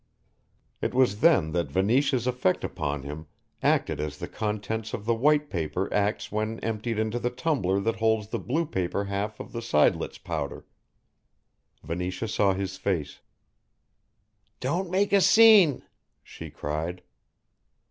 It was then that Venetia's effect upon him acted as the contents of the white paper acts when emptied into the tumbler that holds the blue paper half of the seidlitz powder. Venetia saw his face. "Don't make a scene," she cried.